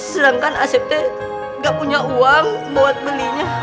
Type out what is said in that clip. sedangkan asep tee gak punya uang buat belinya